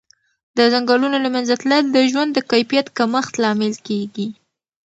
د ځنګلونو له منځه تلل د ژوند د کیفیت کمښت لامل کېږي.